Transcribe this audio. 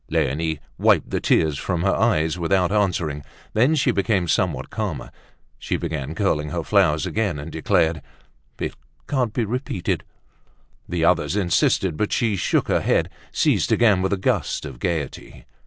Leonie wiped the tears from her eyes without answering. When she became somewhat calmer, she began curling her flowers again and declared, "It can't be repeated." The others insisted, but she shook her head, seized again with a gust of gaiety.